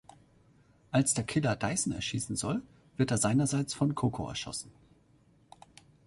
Als der Killer Dyson erschießen soll, wird er seinerseits von Coco erschossen.